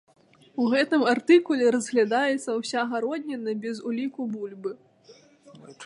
У гэтым артыкуле разглядаецца ўся гародніна без уліку бульбы.